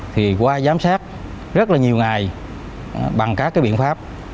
thì qua giám sát rất là nhiều ngày bằng các cái biện pháp